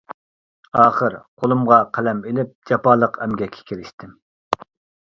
ئاخىر قولۇمغا قەلەم ئېلىپ جاپالىق ئەمگەككە كىرىشتىم.